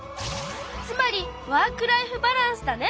つまり「ワーク・ライフ・バランス」だね！